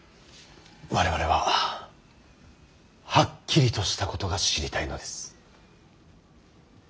我々ははっきりとしたことが知りたいのです。